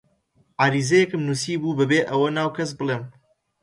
عەریزەیەکم نووسیبوو بەبێ ئەوە ناو کەس بڵێم: